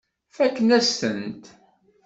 Fakkent-asen-tent.